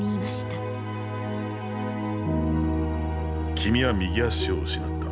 君は右足を失った。